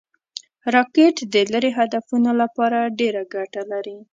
راکټ د لرې هدفونو لپاره ډېره ګټه لري